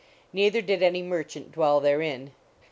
Neither did any merchant dwell therein.